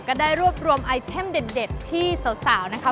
ก็ได้รวบรวมไอเทมเด็ดที่สาวนะคะ